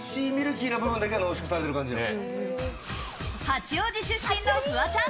八王子出身のフワちゃん。